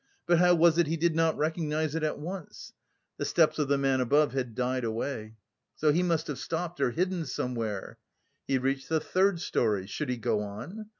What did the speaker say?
but how was it he did not recognise it at once? The steps of the man above had died away. "So he must have stopped or hidden somewhere." He reached the third storey, should he go on?